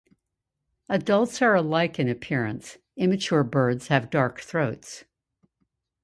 Adults are alike in appearance; immature birds have dark throats.